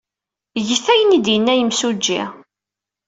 Get ayen ay d-yenna yimsujji.